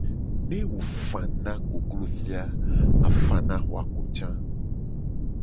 Ne wo fana koklovi a wo la fana ahwako ca.